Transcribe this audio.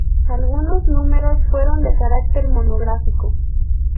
Algunos números fueron de carácter monográfico.